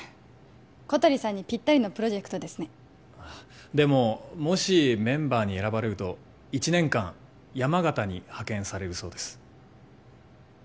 小鳥さんにピッタリのプロジェクトですねでももしメンバーに選ばれると１年間山形に派遣されるそうです